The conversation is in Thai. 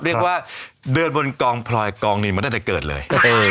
เรียกว่าเดินบนกองพลอยกองนี้มาตั้งแต่เกิดเลย